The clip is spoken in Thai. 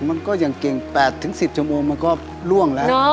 มันก็อย่างเก่ง๘๑๐ชั่วโมงมันก็ล่วงแล้ว